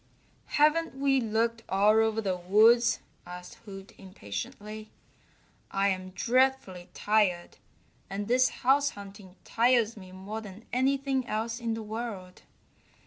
"Haven't we looked all over the woods?" asked Hoot impatiently. "I'm dreadfully tired, and this house hunting tires me more than anything else in the world.